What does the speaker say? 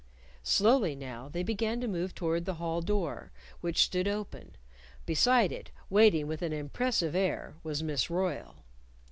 Slowly now they began to move toward the hall door, which stood open. Beside it, waiting with an impressive air, was Miss Royle.